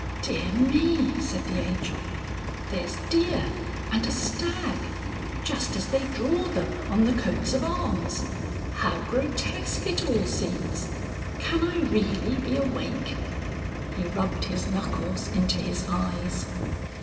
"Dear me!" said the Angel; "There's deer and a stag! Just as they draw them on the coats of arms. How grotesque it all seems! Can I really be awake?" He rubbed his knuckles into his eyes.